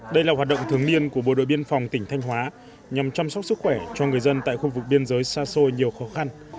đây là hoạt động thường niên của bộ đội biên phòng tỉnh thanh hóa nhằm chăm sóc sức khỏe cho người dân tại khu vực biên giới xa xôi nhiều khó khăn